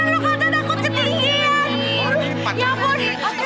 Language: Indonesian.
lo jangan ngapa ngapain deren lo kata takut ketinggian